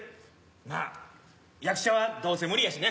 まあ役者はどうせ無理やしね。